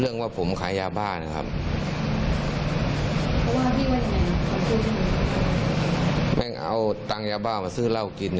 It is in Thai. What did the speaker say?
เรื่องว่าผมขายยาบ้านะครับเพราะว่าพี่ว่าอย่างไรแม่งเอาตังค์ยาบ้ามาซื้อเหล้ากินอย่าง